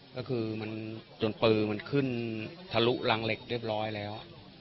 ก็คือมันจนปืนมันขึ้นทะลุรังเหล็กเรียบร้อยแล้ว